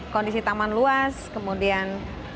kondisi taman luas kemudian